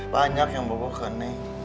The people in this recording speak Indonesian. banyak yang bobokan